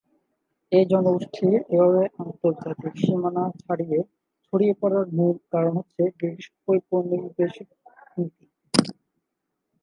এই জনগোষ্ঠীর এভাবে আন্তর্জাতিক সীমানা ছাড়িয়ে ছড়িয়ে পড়ার মূল কারণ হচ্ছে ব্রিটিশ ঔপনিবেশিক নীতি।